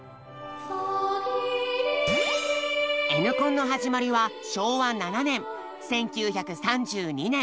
Ｎコンの始まりは昭和７年１９３２年。